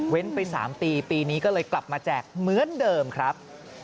ไป๓ปีปีนี้ก็เลยกลับมาแจกเหมือนเดิมครับ